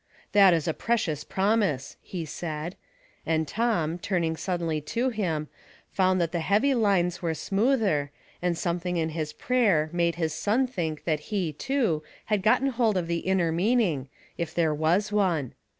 " That is a precious promise," he said, and Tom turning suddenly to him found that the heavy lines were smoother, and something in his prayer made his son think that he, too, had gotten hold of the inner meaning, if there w.^a one.